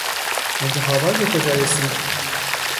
انتخابات به کجا رسید؟